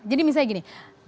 jadi misalnya gini